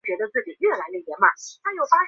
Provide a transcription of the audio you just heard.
直隶曲周县人。